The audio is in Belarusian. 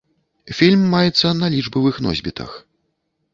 Фільм маецца на лічбавых носьбітах.